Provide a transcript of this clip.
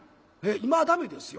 今は駄目ですよ。